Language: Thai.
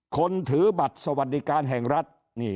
ถือบัตรสวัสดิการแห่งรัฐ